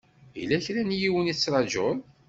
Yella kra n yiwen i tettṛajuḍ?